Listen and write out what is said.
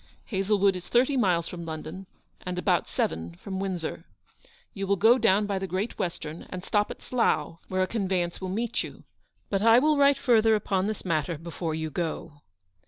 Hazlewood is thirty miles from London, and about seven from Windsor. You will go down by the Great Western, and stop at Slough, where a convey ance will meet you ; but I will write farther upon this matter before you go.